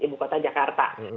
ibu kota jakarta